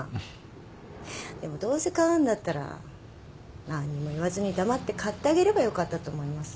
でもどうせ買うんだったら何にも言わずに黙って買ってあげればよかったと思います。